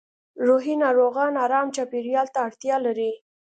روحي ناروغان ارام چاپېریال ته اړتیا لري